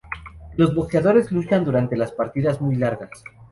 Los boxeadores luchan durante las partidas muy largas.